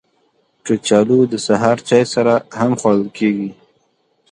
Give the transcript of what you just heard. کچالو د سهار چای سره هم خوړل کېږي